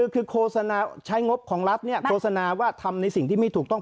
คือโฆษณาใช้งบของรัฐโฆษณาว่าทำในสิ่งที่ไม่ถูกต้อง